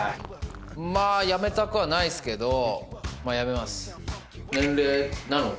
まぁやめたくはないですけどやめます。